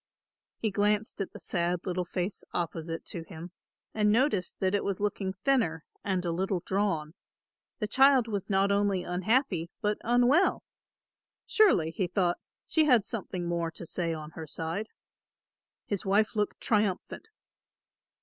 He glanced at the sad little face opposite to him and noticed that it was looking thinner and a little drawn; the child was not only unhappy, but unwell. Surely, he thought, she has something more to say on her side. His wife looked triumphant.